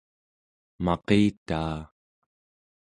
maqitaa